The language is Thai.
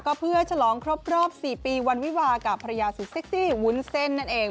ก็เพื่อฉลองครบรอบ๔ปีวันวิวากับภรรยาสุดเซ็กซี่วุ้นเส้นนั่นเอง